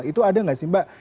itu ada nggak sih mbak